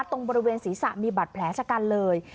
ตรงบริเวณศีรษะมีบัตรแผลชะกันเลย